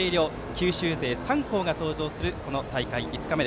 九州勢３校が登場する大会５日目。